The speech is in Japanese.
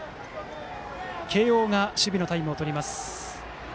慶応が守備のタイムを取ります。